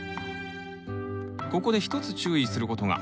ここで一つ注意する事が。